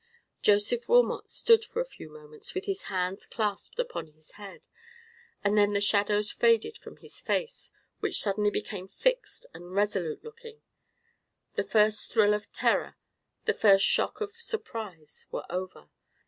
Joseph Wilmot stood for a few moments with his hands clasped upon his head, and then the shadows faded from his face, which suddenly became fixed and resolute looking. The first thrill of terror, the first shock of surprise, were over.